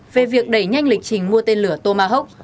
về việc đẩy nhanh lịch trình mua tên lửa tomahawk